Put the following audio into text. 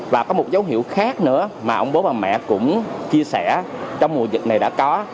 và có một dấu hiệu khác nữa mà ông bố bà mẹ cũng chia sẻ trong mùa dịch này đã có